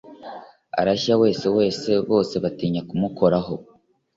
arashya wese wese bose batinya kumukora